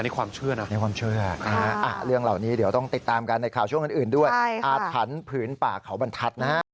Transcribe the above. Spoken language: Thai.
นี่ความเชื่อนะในความเชื่อเรื่องเหล่านี้เดี๋ยวต้องติดตามกันในข่าวช่วงอื่นด้วยอาถรรพ์ผืนป่าเขาบรรทัศน์นะฮะ